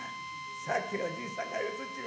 さっきのじいさんがうつっちまった。